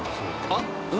あっ！